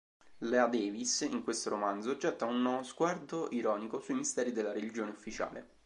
La Davis in questo romanzo getta uno sguardo ironico sui misteri della religione ufficiale.